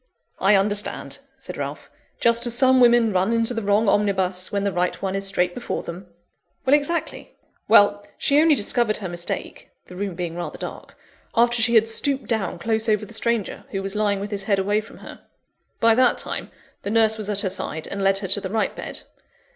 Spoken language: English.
"I understand," said Ralph; "just as some women run into the wrong omnibus, when the right one is straight before them." "Exactly. Well, she only discovered her mistake (the room being rather dark), after she had stooped down close over the stranger, who was lying with his head away from her. By that time, the nurse was at her side, and led her to the right bed.